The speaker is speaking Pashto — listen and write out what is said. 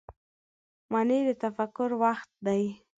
منی د تفکر وخت دی